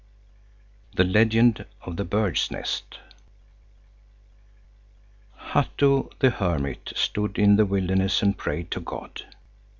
THE LEGEND OF THE BIRD'S NEST Hatto the hermit stood in the wilderness and prayed to God.